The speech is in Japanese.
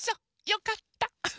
よかった。